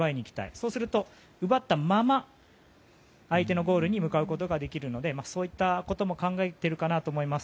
そうすると、奪ったまま相手のゴールに向かうことができるのでそういったことも考えているかと思います。